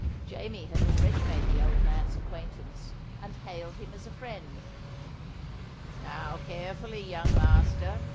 Jamie had already made the old man's acquaintance, and hailed him as a friend. "Now carefully, young master.